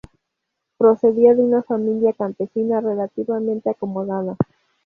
Procedía de una familia campesina relativamente acomodada.